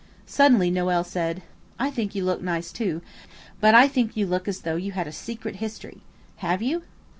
Suddenly Noël said, "I think you look nice too, but I think you look as though you had a secret history. Have you?"